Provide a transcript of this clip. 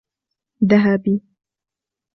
ذهبي